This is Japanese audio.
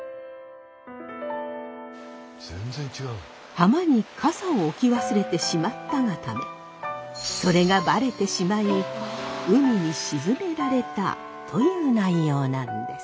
浜に笠を置き忘れてしまったがためそれがばれてしまい海に沈められたという内容なんです。